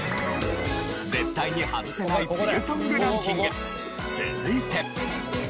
絶対にハズせない冬ソングランキング続いて。